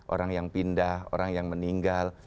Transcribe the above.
orang yang pindah orang yang meninggal